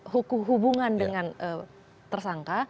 hukum hubungan dengan tersangka